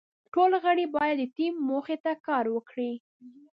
ټول غړي باید د ټیم موخې ته کار وکړي.